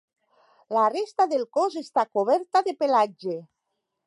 La resta del cos està coberta de pelatge.